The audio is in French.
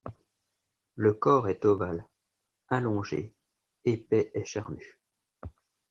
Le corps est ovale, allongé, épais et charnu.